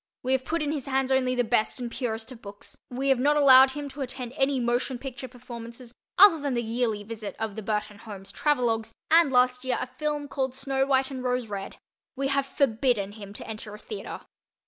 We have put in his hands only the best and purest of books; we have not allowed him to attend any motion picture performances other than the yearly visit of the Burton Holmes travelogues, and, last year, a film called Snow White and Rose Red; we have forbidden him to enter a theater.